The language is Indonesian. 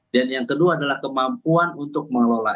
dan yang kedua adalah kemampuan untuk mengelola